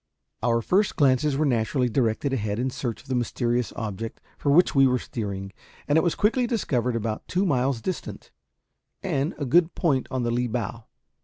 Our first glances were naturally directed ahead in search of the mysterious object for which we were steering, and it was quickly discovered about two miles distant, and a good point on the lee bow.